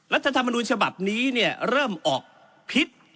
รัฐธรรมนูญฉบับนี้เนี่ยเริ่มออกพิษ